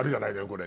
これ。